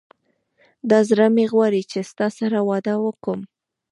دا زړه مي غواړي چي ستا سره واده وکم